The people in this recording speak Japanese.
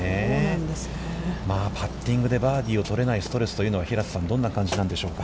パッティングでバーディーをとれないストレスというのは、平瀬さん、どんな感じなんでしょうか。